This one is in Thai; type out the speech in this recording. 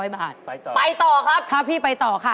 ๑๒๕๐๐บาทไปต่อครับครับพี่ไปต่อค่ะ